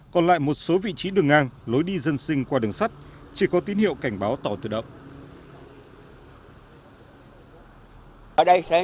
còn lại một số vị trí đường ngang lối đi dân sinh qua đường sắt chỉ có tín hiệu cảnh báo tàu tự động